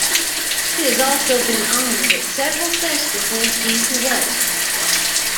She has also been honored at several festivals in Kuwait.